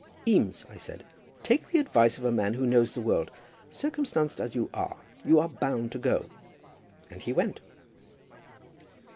'Eames,' I said, 'take the advice of a man who knows the world. Circumstanced as you are, you are bound to go.' And he went."